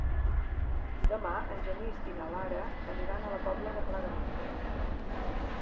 Demà en Genís i na Lara aniran a la Pobla de Claramunt.